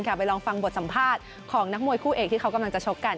ไปลองฟังบทสัมภาษณ์ของนักมวยคู่เอกที่เขากำลังจะชกกัน